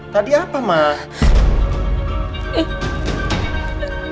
tadi apa emang